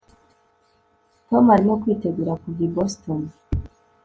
tom arimo kwitegura kuva i boston